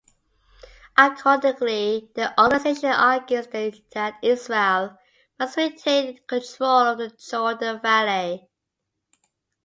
Accordingly, the organization argues that Israel must retain control of the Jordan Valley.